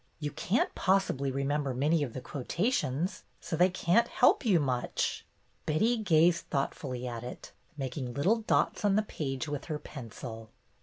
"You can't possibly re member many of the quotations, so they can't help you much." Betty gazed thoughtfully at it, making little dots on the page with her pencil.